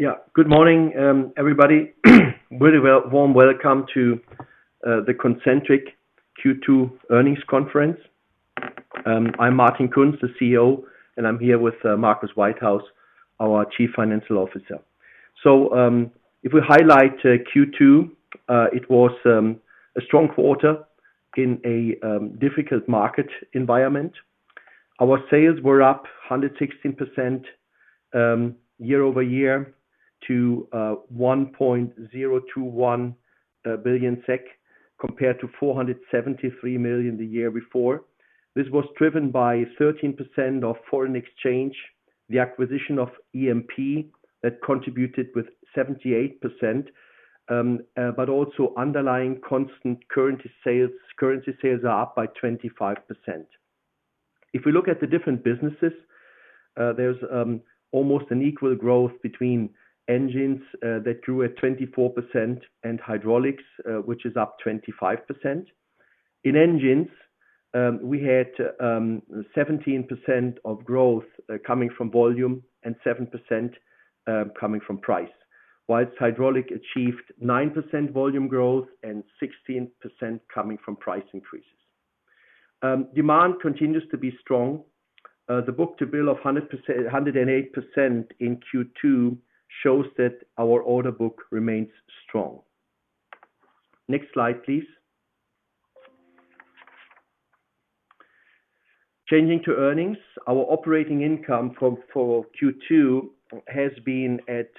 Yeah. Good morning, everybody. Warm welcome to the Concentric Q2 earnings conference. I'm Martin Kunz, the CEO, and I'm here with Marcus Whitehouse, our Chief Financial Officer. If we highlight Q2, it was a strong quarter in a difficult market environment. Our sales were up 116% year-over-year to 1.021 billion SEK, compared to 473 million the year before. This was driven by 13% foreign exchange, the acquisition of EMP that contributed 78%, but also underlying constant currency sales. Constant currency sales are up by 25%. If we look at the different businesses, there's almost an equal growth between engines that grew at 24% and hydraulics which is up 25%. In engines, we had 17% of growth coming from volume and 7% coming from price. While hydraulic achieved 9% volume growth and 16% coming from price increases. Demand continues to be strong. The book-to-bill of 108% in Q2 shows that our order book remains strong. Next slide, please. Changing to earnings. Our operating income for Q2 has been at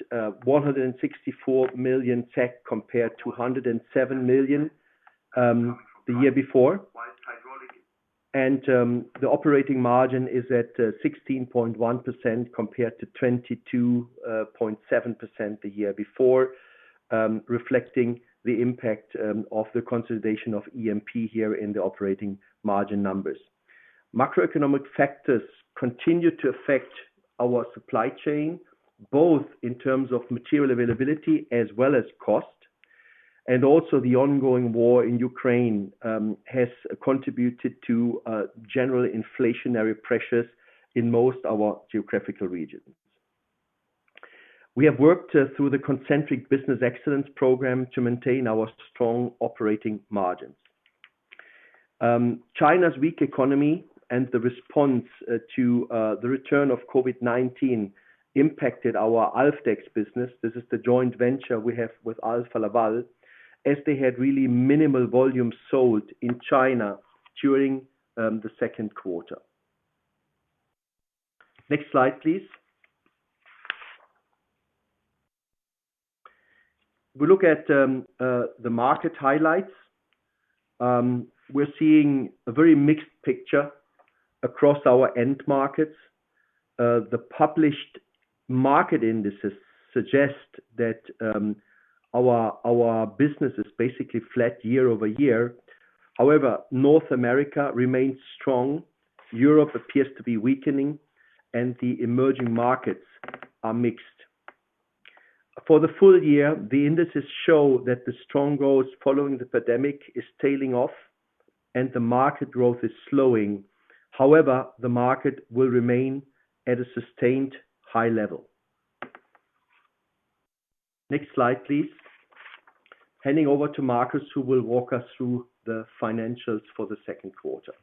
164 million compared to 107 million the year before. The operating margin is at 16.1% compared to 22.7% the year before, reflecting the impact of the consolidation of EMP here in the operating margin numbers. Macroeconomic factors continue to affect our supply chain, both in terms of material availability as well as cost. The ongoing war in Ukraine has contributed to general inflationary pressures in most of our geographical regions. We have worked through the Concentric Business Excellence program to maintain our strong operating margins. China's weak economy and the response to the return of COVID-19 impacted our Alfdex business. This is the joint venture we have with Alfa Laval. As they had really minimal volumes sold in China during the second quarter. Next slide, please. We look at the market highlights. We're seeing a very mixed picture across our end markets. The published market indices suggest that our business is basically flat year over year. However, North America remains strong, Europe appears to be weakening, and the emerging markets are mixed. For the full year, the indices show that the strong growth following the pandemic is tailing off and the market growth is slowing. However, the market will remain at a sustained high level. Next slide, please. Handing over to Marcus, who will walk us through the financials for the second quarter.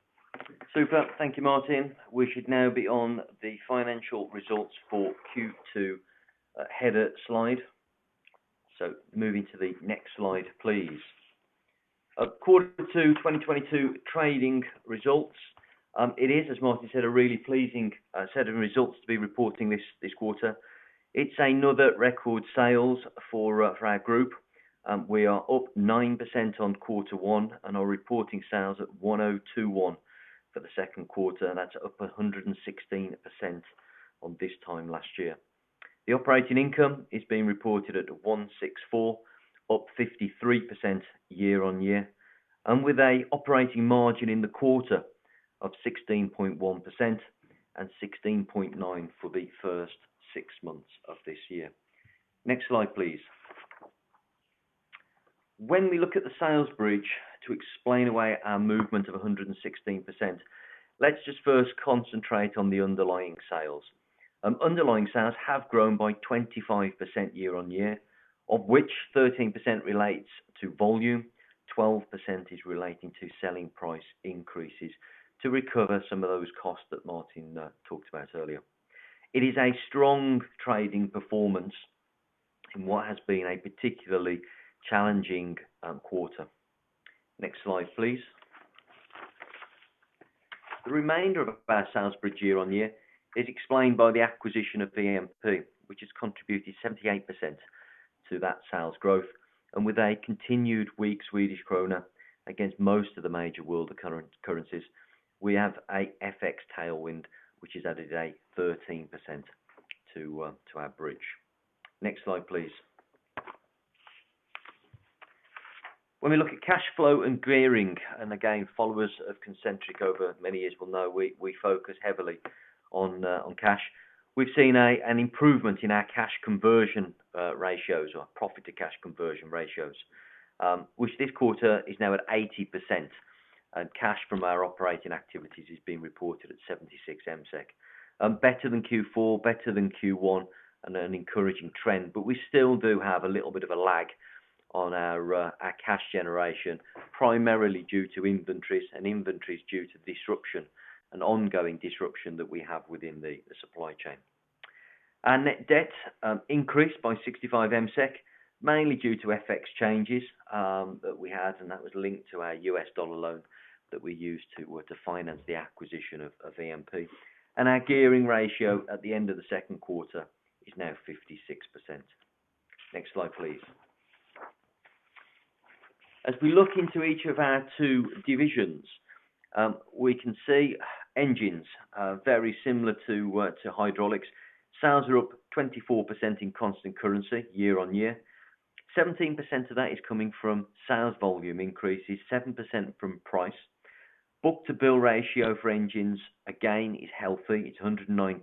Super. Thank you, Martin. We should now be on the financial results for Q2 header slide. Moving to the next slide, please. Q2 2022 trading results. It is, as Martin said, a really pleasing set of results to be reporting this quarter. It's another record sales for our group. We are up 9% on Q1 and are reporting sales at 1021 for the second quarter, and that's up 116% on this time last year. The operating income is being reported at 164, up 53% year-on-year, and with a operating margin in the quarter of 16.1% and 16.9% for the first six months of this year. Next slide, please. When we look at the sales bridge to explain away our movement of 116%, let's just first concentrate on the underlying sales. Underlying sales have grown by 25% year-on-year, of which 13% relates to volume, 12% is relating to selling price increases to recover some of those costs that Martin talked about earlier. It is a strong trading performance in what has been a particularly challenging quarter. Next slide, please. The remainder of our sales bridge year-on-year is explained by the acquisition of EMP, which has contributed 78% to that sales growth. With a continued weak Swedish krona against most of the major world currencies, we have a FX tailwind, which has added 13% to our bridge. Next slide, please. When we look at cash flow and gearing, and again, followers of Concentric over many years will know we focus heavily on cash. We've seen an improvement in our cash conversion ratios or profit to cash conversion ratios, which this quarter is now at 80%. Cash from our operating activities is being reported at 76 million. Better than Q4, better than Q1, and an encouraging trend. We still do have a little bit of a lag on our cash generation, primarily due to inventories due to disruption and ongoing disruption that we have within the supply chain. Our net debt increased by 65 million, mainly due to FX changes that we had, and that was linked to our U.S. dollar loan that we used to finance the acquisition of EMP. Our gearing ratio at the end of the second quarter is now 56%. Next slide, please. As we look into each of our two divisions, we can see engines are very similar to hydraulics. Sales are up 24% in constant currency year-on-year. 17% of that is coming from sales volume increases, 7% from price. Book-to-bill ratio for engines, again, is healthy. It's 109%,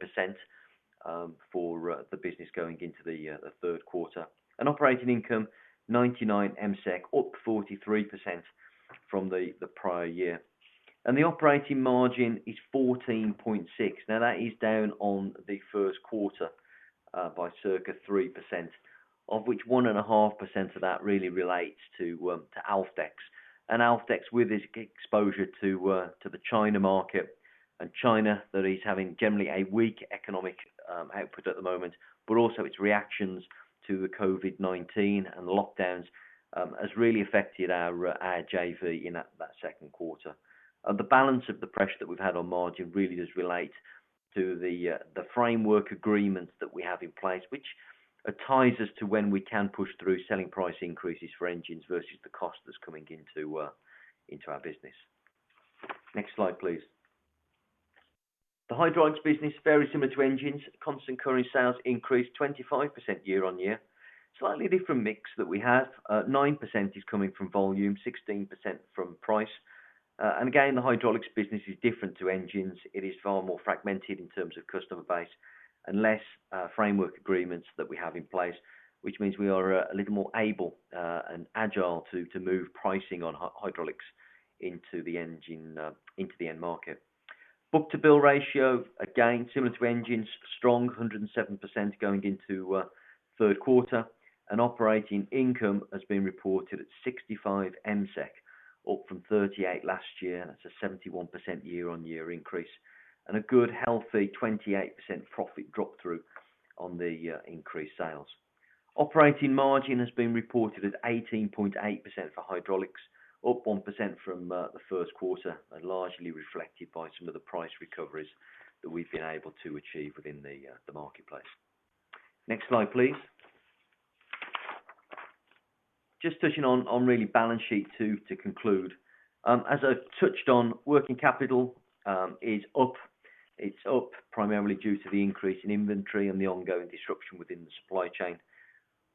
for the business going into the third quarter. Operating income, 99 million, up 43% from the prior year. The operating margin is 14.6%. Now, that is down on the first quarter by circa 3%, of which 1.5% of that really relates to Alfdex. Alfdex with its exposure to the China market, and China that is having generally a weak economic output at the moment, but also its reactions to the COVID-19 and the lockdowns, has really affected our JV in that second quarter. The balance of the pressure that we've had on margin really does relate to the framework agreements that we have in place, which ties us to when we can push through selling price increases for engines versus the cost that's coming into our business. Next slide, please. The hydraulics business, very similar to engines. Constant currency sales increased 25% year-over-year. Slightly different mix that we have. 9% is coming from volume, 16% from price. Again, the hydraulics business is different to engines. It is far more fragmented in terms of customer base and less framework agreements that we have in place, which means we are a little more able and agile to move pricing on hydraulics into the engine into the end market. Book-to-bill ratio, again, similar to engines, strong 107% going into third quarter. Operating income has been reported at 65 million, up from 38 last year. That's a 71% year-over-year increase, and a good healthy 28% profit flow-through on the increased sales. Operating margin has been reported at 18.8% for hydraulics, up 1% from the first quarter, and largely reflected by some of the price recoveries that we've been able to achieve within the marketplace. Next slide, please. Just touching on the balance sheet to conclude. As I touched on, working capital is up. It's up primarily due to the increase in inventory and the ongoing disruption within the supply chain.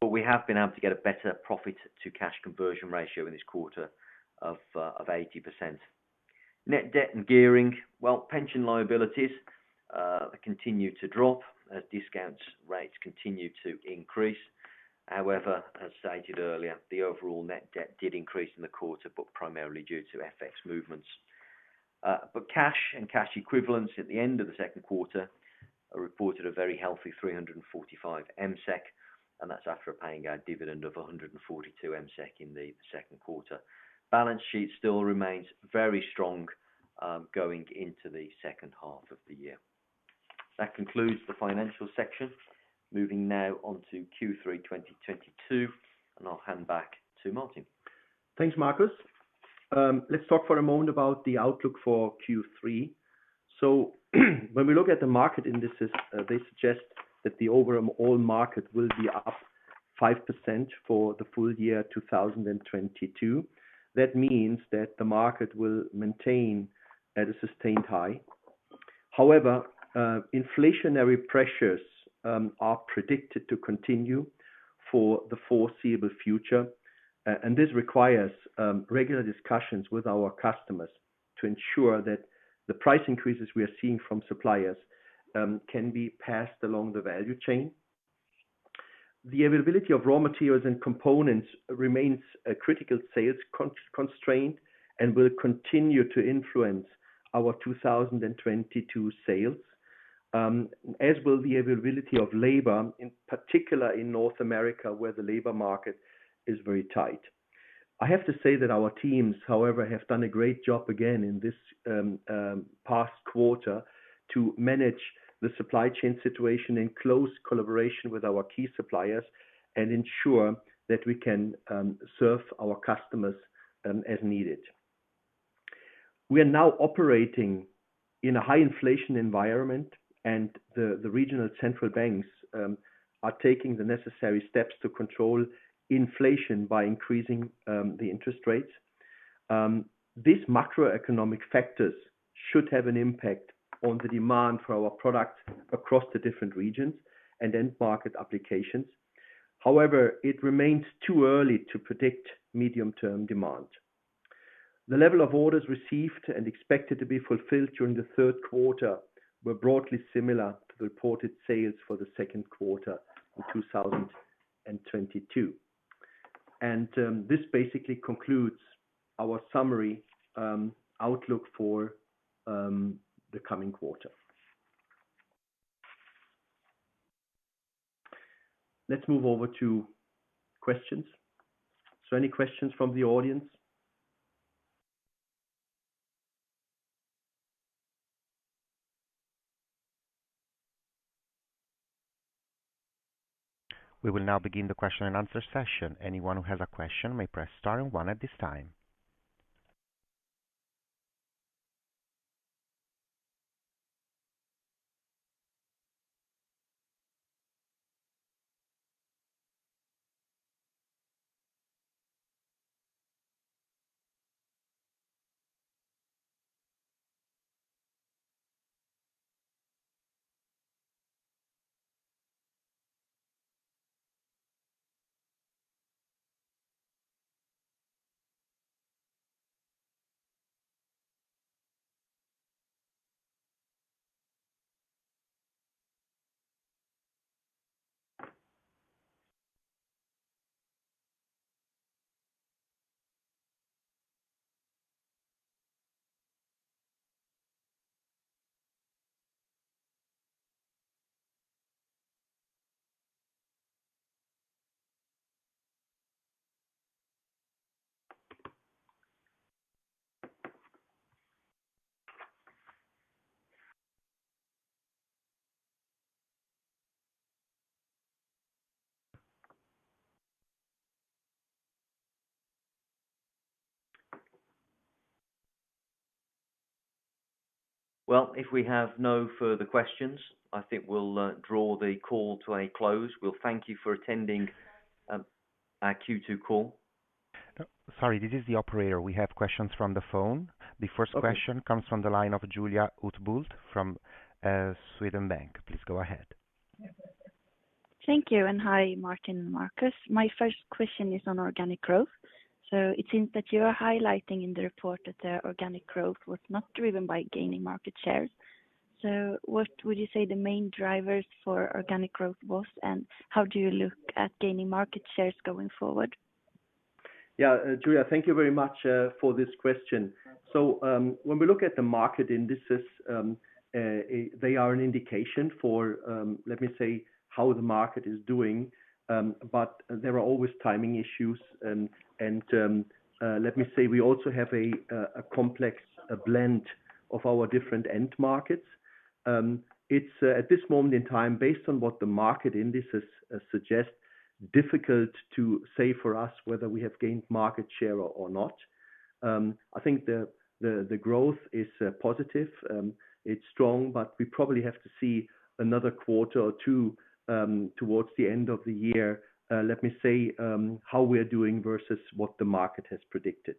We have been able to get a better profit to cash conversion ratio in this quarter of 80%. Net debt and gearing. Well, pension liabilities continue to drop as discount rates continue to increase. However, as stated earlier, the overall net debt did increase in the quarter, but primarily due to FX movements. Cash and cash equivalents at the end of the second quarter reported a very healthy 345 million, and that's after paying our dividend of 142 million in the second quarter. Balance sheet still remains very strong, going into the second half of the year. That concludes the financial section. Moving now on to Q3 2022, and I'll hand back to Martin. Thanks, Marcus. Let's talk for a moment about the outlook for Q3. When we look at the market indices, they suggest that the overall market will be up 5% for the full year 2022. That means that the market will maintain at a sustained high. However, inflationary pressures are predicted to continue for the foreseeable future, and this requires regular discussions with our customers to ensure that the price increases we are seeing from suppliers can be passed along the value chain. The availability of raw materials and components remains a critical sales constraint and will continue to influence our 2022 sales, as will the availability of labor, in particular in North America, where the labor market is very tight. I have to say that our teams, however, have done a great job again in this past quarter to manage the supply chain situation in close collaboration with our key suppliers and ensure that we can serve our customers as needed. We are now operating in a high inflation environment and the regional central banks are taking the necessary steps to control inflation by increasing the interest rates. These macroeconomic factors should have an impact on the demand for our product across the different regions and end market applications. However, it remains too early to predict medium-term demand. The level of orders received and expected to be fulfilled during the third quarter were broadly similar to the reported sales for the second quarter in 2022. This basically concludes our summary outlook for the coming quarter. Let's move over to questions. Any questions from the audience? We will now begin the question and answer session. Anyone who has a question may press star and one at this time. Well, if we have no further questions, I think we'll draw the call to a close. We'll thank you for attending our Q2 call. Sorry, this is the operator. We have questions from the phone. Okay. The first question comes from the line of Julia Utbult from SEB. Please go ahead. Thank you, and hi, Martin and Marcus. My first question is on organic growth. It seems that you are highlighting in the report that the organic growth was not driven by gaining market shares. What would you say the main drivers for organic growth was, and how do you look at gaining market shares going forward? Yeah, Julia, thank you very much for this question. When we look at the market indices, they are an indication for, let me say, how the market is doing. There are always timing issues and, let me say, we also have a complex blend of our different end markets. It's at this moment in time, based on what the market indices suggest, difficult to say for us whether we have gained market share or not. I think the growth is positive, it's strong, but we probably have to see another quarter or two towards the end of the year, let me say, how we're doing versus what the market has predicted.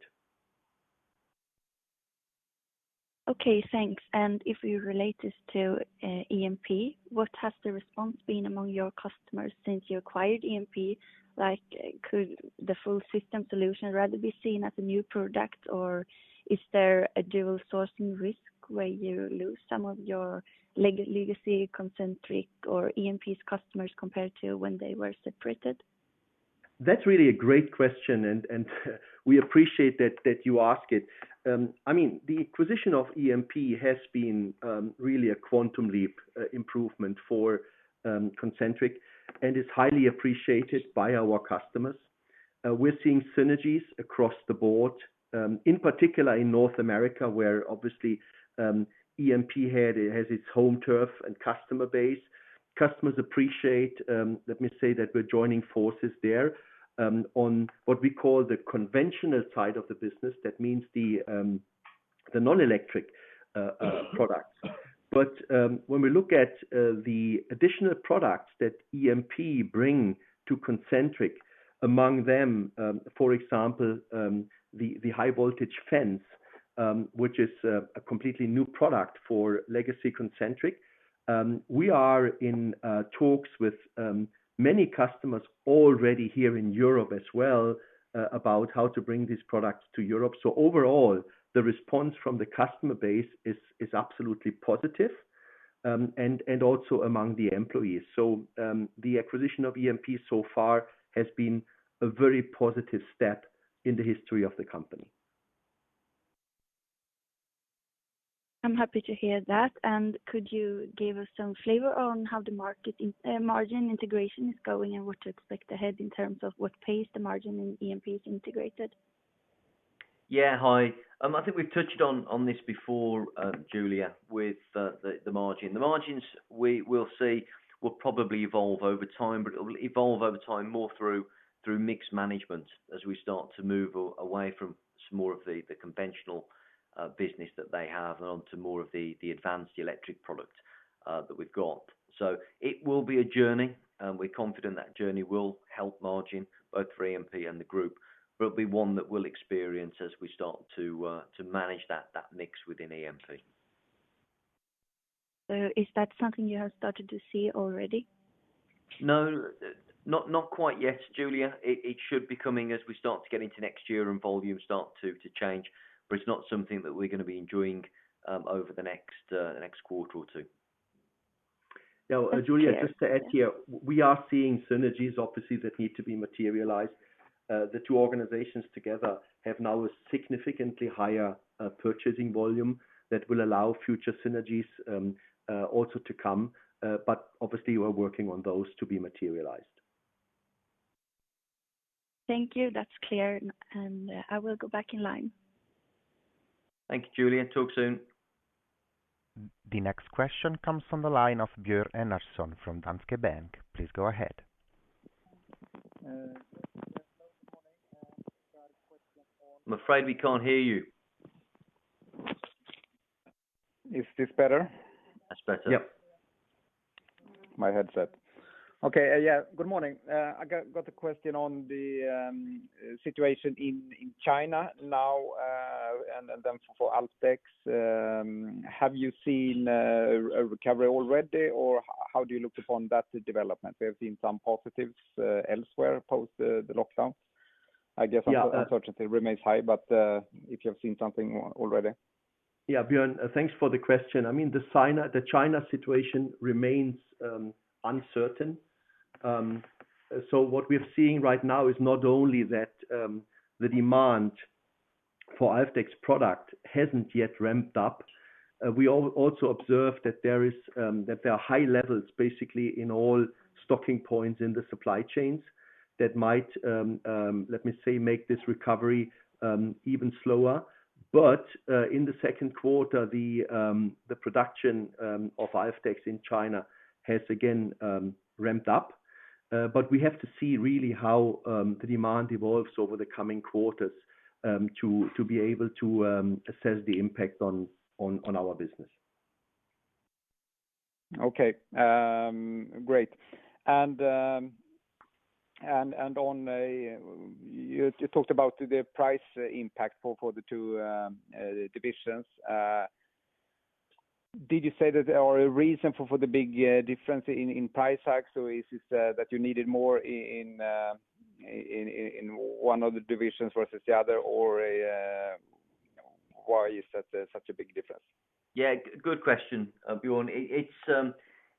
Okay, thanks. If we relate this to EMP, what has the response been among your customers since you acquired EMP? Like, could the full system solution rather be seen as a new product, or is there a dual sourcing risk where you lose some of your legacy Concentric or EMP's customers compared to when they were separated? That's really a great question, and we appreciate that you ask it. I mean, the acquisition of EMP has been really a quantum leap improvement for Concentric and is highly appreciated by our customers. We're seeing synergies across the Board in particular in North America, where obviously EMP has its home turf and customer base. Customers appreciate, let me say that we're joining forces there on what we call the conventional side of the business. That means the non-electric products. When we look at the additional products that EMP bring to Concentric, among them for example the high voltage fans which is a completely new product for legacy Concentric. We are in talks with many customers already here in Europe as well, about how to bring these products to Europe. Overall, the response from the customer base is absolutely positive, and also among the employees. The acquisition of EMP so far has been a very positive step in the history of the company. I'm happy to hear that. Could you give us some flavor on how the margin integration is going and what to expect ahead in terms of what pace the margin in EMP is integrated? Yeah. Hi. I think we've touched on this before, Julia, with the margin. The margins we'll see will probably evolve over time, but it will evolve over time more through mix management as we start to move away from some more of the conventional business that they have onto more of the advanced electric product that we've got. It will be a journey, and we're confident that journey will help margin both for EMP and the group, but it'll be one that we'll experience as we start to manage that mix within EMP. Is that something you have started to see already? No. Not quite yet, Julia. It should be coming as we start to get into next year and volumes start to change, but it's not something that we're gonna be enjoying over the next quarter or two. Now, Julia, just to add here, we are seeing synergies obviously that need to be materialized. The two organizations together have now a significantly higher purchasing volume that will allow future synergies also to come, but obviously we are working on those to be materialized. Thank you. That's clear. I will go back in line. Thank you, Julia. Talk soon. The next question comes from the line of Björn Enarson from Danske Bank. Please go ahead. I'm afraid we can't hear you. Is this better? That's better. Yep. My headset. Okay. Yeah, good morning. I got a question on the situation in China now, and then for Alfdex. Have you seen a recovery already, or how do you look upon that development? We have seen some positives elsewhere post the lockdown. I guess. Yeah. Uncertainty remains high, but if you have seen something already. Yeah. Björn, thanks for the question. I mean, the China situation remains uncertain. So what we are seeing right now is not only that the demand for Alfdex product hasn't yet ramped up, we also observed that there are high levels basically in all stocking points in the supply chains that might let me say make this recovery even slower. In the second quarter, the production of Alfdex in China has again ramped up. We have to see really how the demand evolves over the coming quarters to be able to assess the impact on our business. Okay. Great. You talked about the price impact for the two divisions. Did you say that there are a reason for the big difference in price hike? Is this that you needed more in one of the divisions versus the other or why is such a big difference? Yeah, good question, Björn.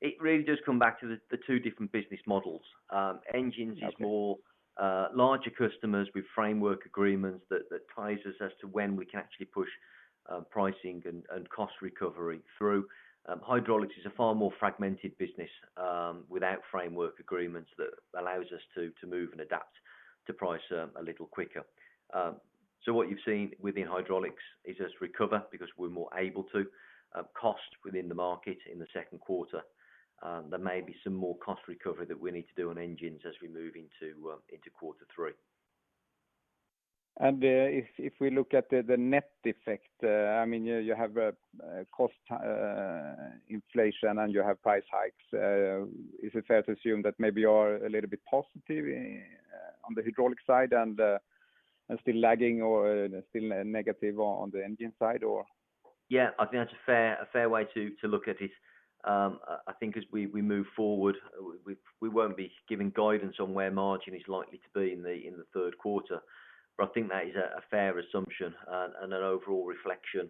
It really does come back to the two different business models. Okay. Is more larger customers with framework agreements that ties us as to when we can actually push pricing and cost recovery through. Hydraulics is a far more fragmented business without framework agreements that allows us to move and adapt to price a little quicker. What you've seen within hydraulics is us recover because we're more able to cost within the market in the second quarter. There may be some more cost recovery that we need to do on engines as we move into quarter three. If we look at the net effect, I mean, you have a cost inflation, and you have price hikes. Is it fair to assume that maybe you are a little bit positive on the hydraulics side and still lagging or still negative on the engine side, or? Yeah, I think that's a fair way to look at it. I think as we move forward, we won't be giving guidance on where margin is likely to be in the third quarter. I think that is a fair assumption and an overall reflection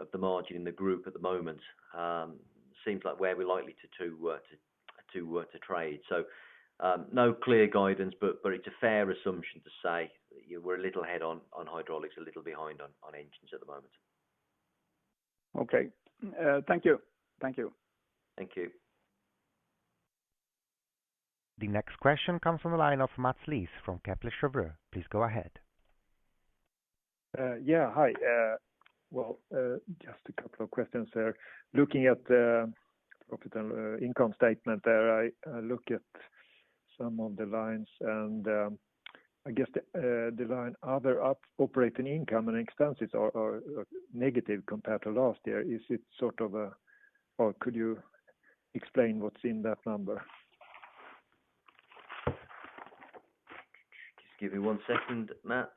of the margin in the group at the moment. Seems like where we're likely to trade. No clear guidance, but it's a fair assumption to say we're a little ahead on hydraulics, a little behind on engines at the moment. Okay. Thank you. Thank you. Thank you. The next question comes from the line of Mats Liss from Kepler Cheuvreux. Please go ahead. Yeah, hi. Well, just a couple of questions there. Looking at the profit and income statement there, I look at some of the lines and I guess the line other operating income and expenses are negative compared to last year. Is it sort of a, or could you explain what's in that number? Just give me one second, Mats.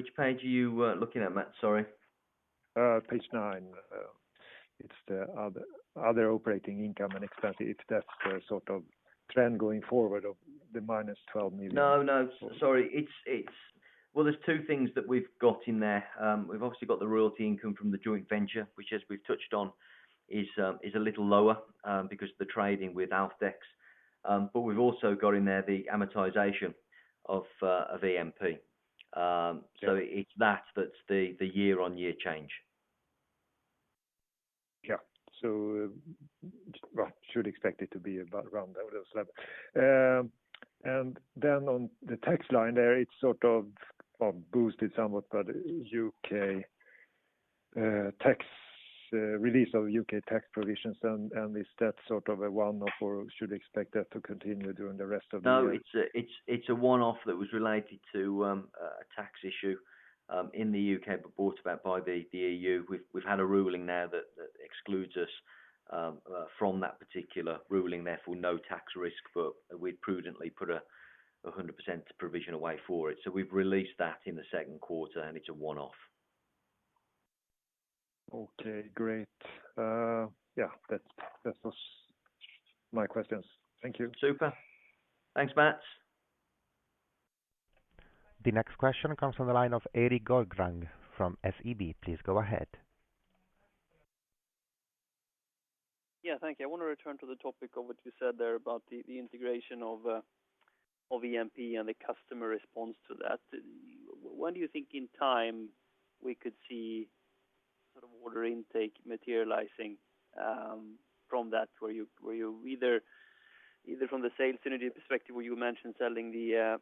Which page are you looking at, Mats? Sorry. Page nine. It's the other operating income and expense. If that's the sort of trend going forward of the -12 million. No, no. Sorry. It's well, there's two things that we've got in there. We've obviously got the royalty income from the joint venture, which as we've touched on is a little lower because of the trading with Alfdex. But we've also got in there the amortization of EMP. So it's that that's the year-on-year change. Well, should expect it to be about around that level. Then on the tax line there, it's sort of boosted somewhat by the U.K. tax release of U.K. tax provisions. Is that sort of a one-off or should expect that to continue during the rest of the year? No, it's a one-off that was related to a tax issue in the U.K., but brought about by the EU. We've had a ruling now that excludes us from that particular ruling, therefore no tax risk, but we'd prudently put 100% provision away for it. We've released that in the second quarter, and it's a one-off. Okay, great. Yeah, that was my questions. Thank you. Super. Thanks, Mats. The next question comes from the line of Erik Golrang from SEB. Please go ahead. Yeah, thank you. I want to return to the topic of what you said there about the integration of EMP and the customer response to that. When do you think in time we could see sort of order intake materializing from that, where you either from the sales synergy perspective, where you mentioned selling the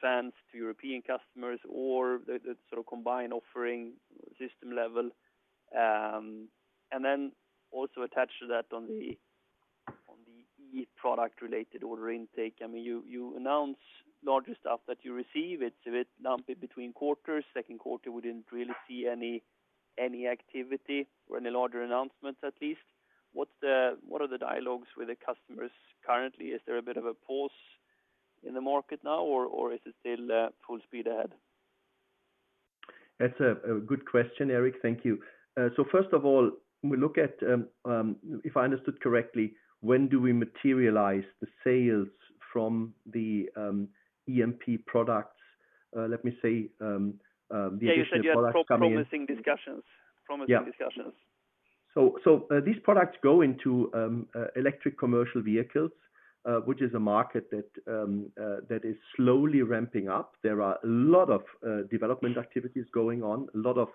fans to European customers or the sort of combined offering system level. Then also attached to that on the e-product related order intake. I mean, you announce larger stuff that you receive. It's a bit lumpy between quarters. Second quarter, we didn't really see any activity or any larger announcements, at least. What are the dialogues with the customers currently? Is there a bit of a pause in the market now, or is it still full speed ahead? That's a good question, Erik. Thank you. First of all, we look at, if I understood correctly, when do we materialize the sales from the EMP products? Let me say, the additional products coming in. Yeah, you said you had promising discussions. Yeah. Promising discussions. These products go into electric commercial vehicles, which is a market that is slowly ramping up. There are a lot of development activities going on, a lot of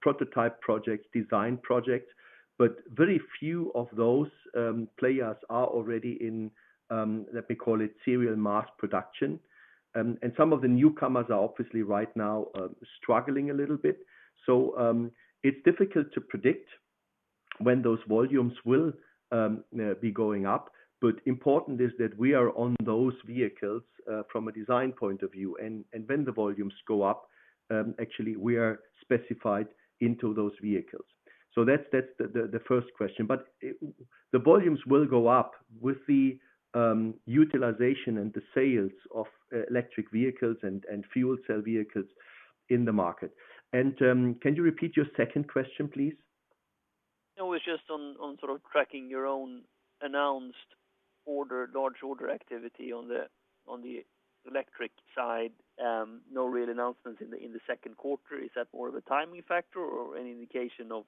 prototype projects, design projects, but very few of those players are already in, let me call it serial mass production. Some of the newcomers are obviously right now struggling a little bit. It's difficult to predict when those volumes will be going up. Important is that we are on those vehicles from a design point of view, and when the volumes go up, actually we are specified into those vehicles. That's the first question. The volumes will go up with the utilization and the sales of electric vehicles and fuel cell vehicles in the market. Can you repeat your second question, please? No, it's just on sort of tracking your own announced order, large order activity on the electric side. No real announcements in the second quarter. Is that more of a timing factor or any indication of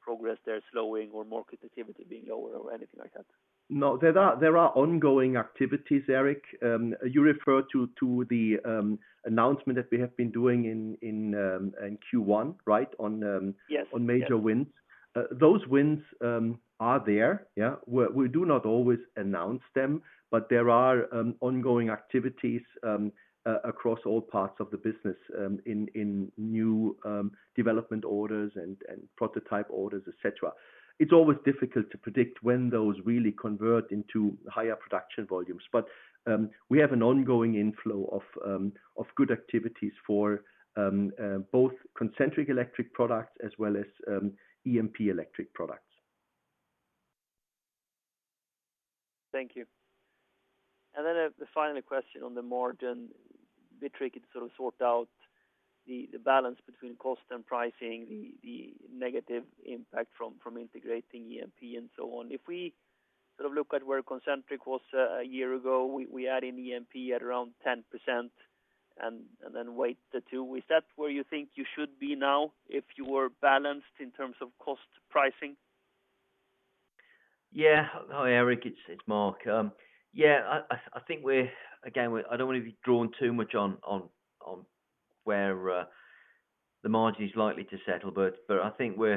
progress there slowing or market activity being lower or anything like that? No. There are ongoing activities, Erik. You refer to the announcement that we have been doing in Q1, right? Yes On major wins. Those wins are there, yeah. We do not always announce them, but there are ongoing activities across all parts of the business in new development orders and prototype orders, et cetera. It's always difficult to predict when those really convert into higher production volumes. We have an ongoing inflow of good activities for both Concentric electric products as well as EMP electric products. Thank you. The final question on the margin. A bit tricky to sort of sort out the balance between cost and pricing, the negative impact from integrating EMP and so on. If we sort of look at where Concentric was a year ago, we add in EMP at around 10% and then weight the two. Is that where you think you should be now if you were balanced in terms of cost pricing? Yeah. Hi, Erik, it's Marcus. Yeah, I think. Again, I don't want to be drawn too much on where the margin is likely to settle, but I think we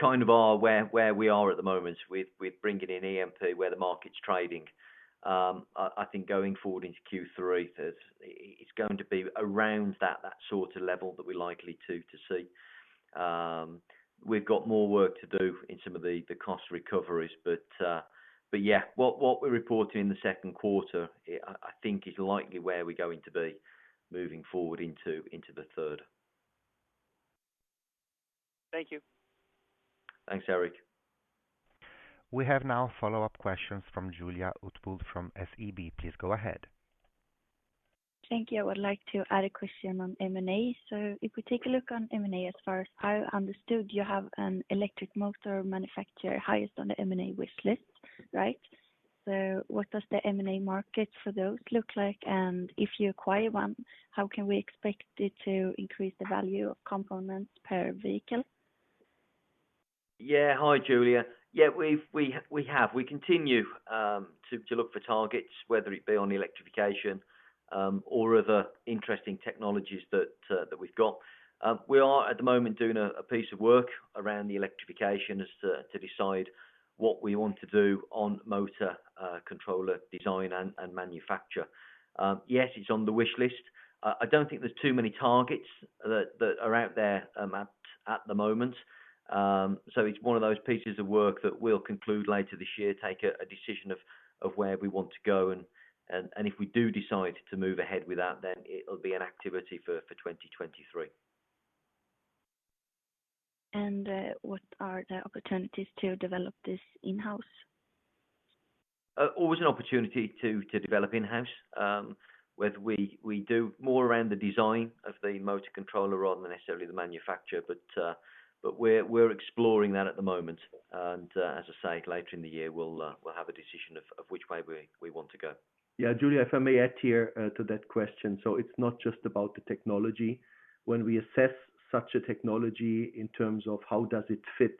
kind of are where we are at the moment with bringing in EMP, where the market's trading. I think going forward into Q3, it's going to be around that sort of level that we're likely to see. We've got more work to do in some of the cost recoveries. Yeah, what we're reporting in the second quarter, I think is likely where we're going to be moving forward into the third. Thank you. Thanks, Erik. We have now follow-up questions from Julia Utbult from SEB. Please go ahead. Thank you. I would like to add a question on M&A. If we take a look on M&A, as far as I understood, you have an electric motor manufacturer highest on the M&A wish list, right? What does the M&A market for those look like? And if you acquire one, how can we expect it to increase the value of components per vehicle? Yeah. Hi, Julia. Yeah, we have. We continue to look for targets, whether it be on electrification or other interesting technologies that we've got. We are at the moment doing a piece of work around the electrification as to decide what we want to do on motor controller design and manufacture. Yes, it's on the wish list. I don't think there's too many targets that are out there at the moment. It's one of those pieces of work that we'll conclude later this year, take a decision of where we want to go. If we do decide to move ahead with that, then it'll be an activity for 2023. What are the opportunities to develop this in-house? Always an opportunity to develop in-house, whether we do more around the design of the motor controller rather than necessarily the manufacturer. We're exploring that at the moment. As I say, later in the year, we'll have a decision of which way we want to go. Yeah. Julia, if I may add here, to that question. It's not just about the technology. When we assess such a technology in terms of how does it fit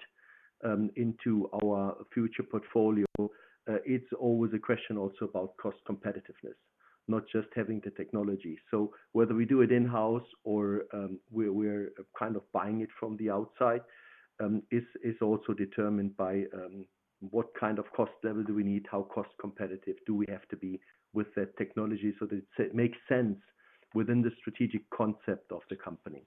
into our future portfolio, it's always a question also about cost competitiveness, not just having the technology. Whether we do it in-house or we're kind of buying it from the outside is also determined by what kind of cost level do we need? How cost competitive do we have to be with that technology so that it makes sense within the strategic concept of the company.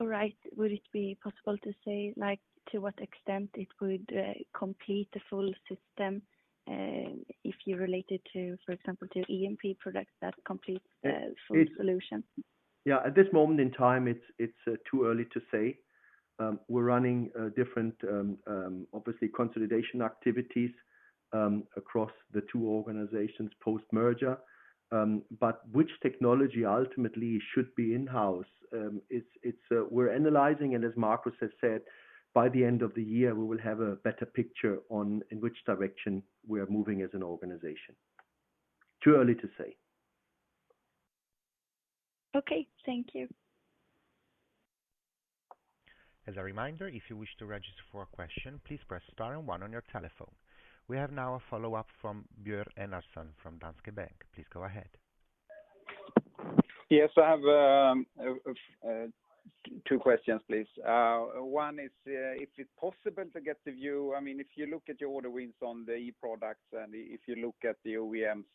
All right. Would it be possible to say, like, to what extent it would complete the full system, if you relate it to, for example, to EMP products that complete the full solution? Yeah. At this moment in time, it's too early to say. We're running different, obviously, consolidation activities across the two organizations post-merger. Which technology ultimately should be in-house, we're analyzing, and as Marcus has said, by the end of the year, we will have a better picture on in which direction we are moving as an organization. Too early to say. Okay, thank you. As a reminder, if you wish to register for a question, please press star and one on your telephone. We have now a follow-up from Björn Enarson from Danske Bank. Please go ahead. Yes. I have two questions, please. One is if it's possible to get the view. I mean, if you look at your order wins on the e-products and if you look at the OEM's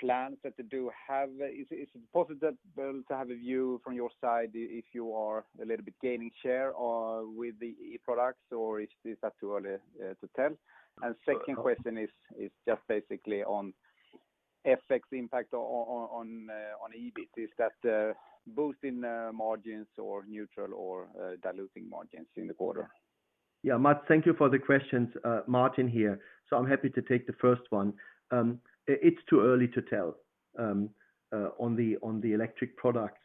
plans that they do have, is it possible to have a view from your side if you are a little bit gaining share or with the e-products or is that too early to tell? Second question is just basically on FX impact on EBIT. Is that boosting margins or neutral or diluting margins in the quarter? Yeah. Mats, thank you for the questions. Martin here. I'm happy to take the first one. It's too early to tell on the electric products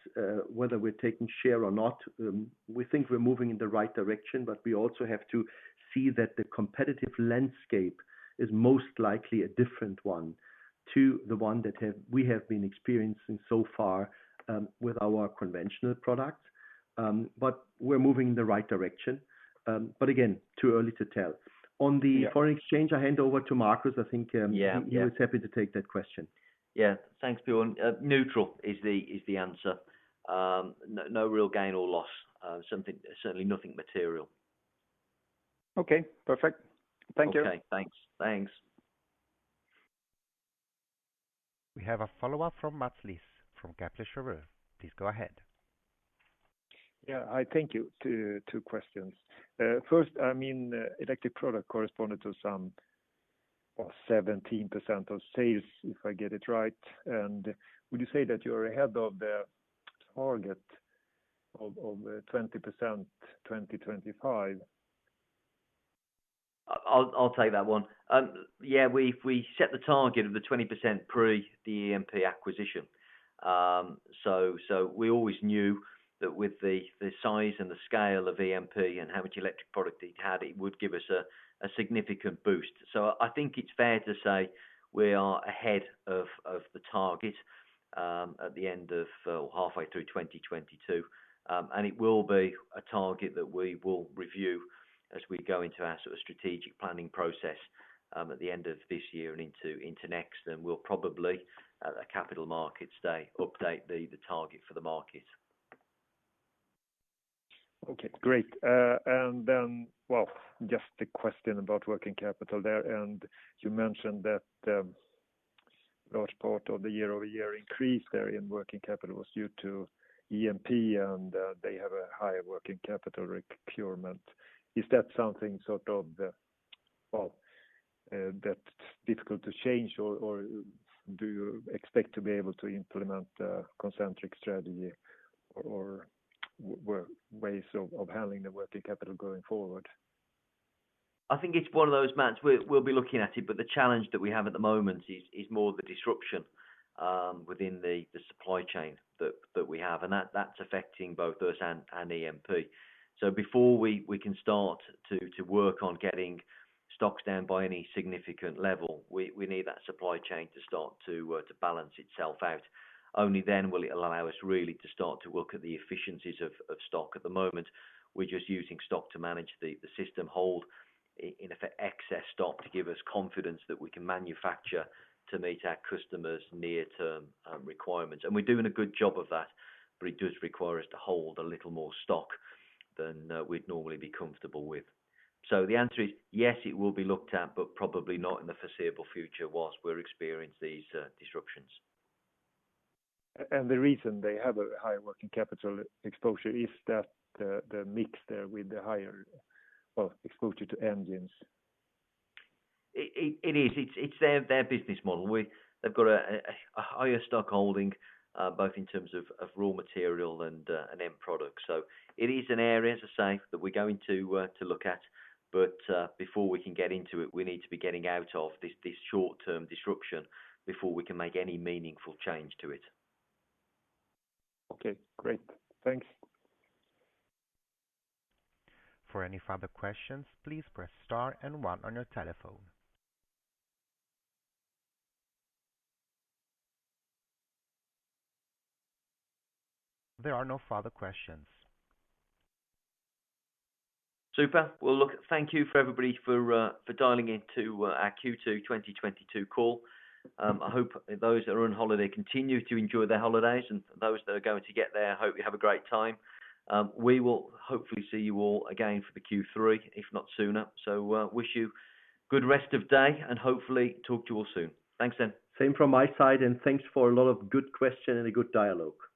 whether we're taking share or not. We think we're moving in the right direction, but we also have to see that the competitive landscape is most likely a different one to the one that we have been experiencing so far with our conventional products. But we're moving in the right direction. But again, too early to tell. Yeah. On the foreign exchange, I hand over to Marcus. Yeah. Yeah He was happy to take that question. Yeah. Thanks, Björn. Neutral is the answer. No real gain or loss. Something. Certainly nothing material. Okay, perfect. Thank you. Okay, thanks. Thanks. We have a follow-up from Mats Liss from Kepler Cheuvreux. Please go ahead. Yeah. I thank you. Two questions. First, I mean, electric product corresponded to some, what, 17% of sales, if I get it right. Would you say that you're ahead of the target of 20% 2025? I'll take that one. Yeah, we set the target of 20% pre the EMP acquisition. We always knew that with the size and the scale of EMP and how much electric product it had, it would give us a significant boost. I think it's fair to say we are ahead of the target at the end of or halfway through 2022. It will be a target that we will review as we go into our sort of strategic planning process at the end of this year and into next. We'll probably at a capital markets day update the target for the market. Okay, great. Well, just a question about working capital there. You mentioned that large part of the year-over-year increase there in working capital was due to EMP and they have a higher working capital procurement. Is that something sort of, well, that's difficult to change or do you expect to be able to implement a Concentric strategy or ways of handling the working capital going forward? I think it's one of those, Mats. We'll be looking at it, but the challenge that we have at the moment is more the disruption within the supply chain that we have. That's affecting both us and EMP. Before we can start to work on getting stocks down by any significant level, we need that supply chain to start to balance itself out. Only then will it allow us really to start to look at the efficiencies of stock. At the moment, we're just using stock to manage the system, holding in effect excess stock to give us confidence that we can manufacture to meet our customers near-term requirements. We're doing a good job of that, but it does require us to hold a little more stock than we'd normally be comfortable with. The answer is yes, it will be looked at, but probably not in the foreseeable future whilst we're experiencing these disruptions. The reason they have a high working capital exposure is that the mix there with the higher, well, exposure to engines. It is. It's their business model. They've got a higher stock holding, both in terms of raw material and an end product. It is an area, as I say, that we're going to look at. Before we can get into it, we need to be getting out of this short term disruption before we can make any meaningful change to it. Okay, great. Thanks. For any further questions, please press star and one on your telephone. There are no further questions. Super. Well, look, thank you for everybody for dialing into our Q2 2022 call. I hope those that are on holiday continue to enjoy their holidays and those that are going to get there, hope you have a great time. We will hopefully see you all again for the Q3, if not sooner. Wish you good rest of day and hopefully talk to you all soon. Thanks then. Same from my side, and thanks for a lot of good question and a good dialogue.